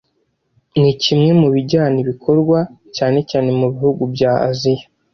ni kimwe mu bijya bikorwa cyane cyane mu bihugu bya Aziya